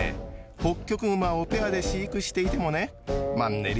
ホッキョクグマをペアで飼育していてもねマンネリ